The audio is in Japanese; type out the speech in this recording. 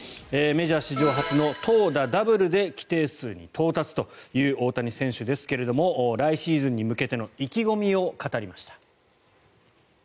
メジャー史上初の投打ダブルで規定到達という大谷選手ですけれども来シーズンに向けての意気込みを語りました。